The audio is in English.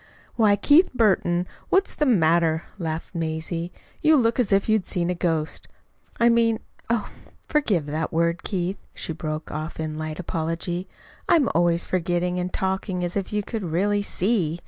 "Why, Keith Burton, what's the matter?" laughed Mazie. "You look as if you'd seen a ghost. I mean oh, forgive that word, Keith," she broke off in light apology. "I'm always forgetting, and talking as if you could really SEE.